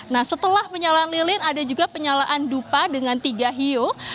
nah setelah penyalaan lilin ada juga penyalaan dupa dengan tiga hiu